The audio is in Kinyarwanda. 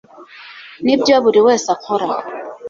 nibyo buri wese akora